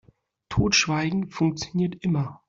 Totschweigen funktioniert immer.